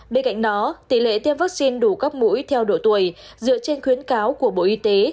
bên cạnh đó tỷ lệ tiêm vaccine đủ các mũi theo độ tuổi dựa trên khuyến cáo của bộ y tế